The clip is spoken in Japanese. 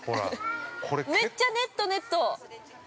めっちゃネット、ネット！